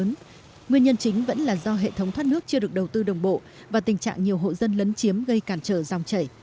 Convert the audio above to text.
nguyên nhân chính vẫn là do hệ thống thoát nước chưa được đầu tư đồng bộ và tình trạng nhiều hộ dân lấn chiếm gây cản trở dòng chảy